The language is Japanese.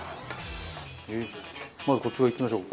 まずこっち側いってみましょう。